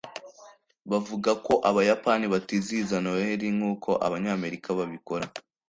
Bavuga ko abayapani batizihiza Noheri nkuko Abanyamerika babikora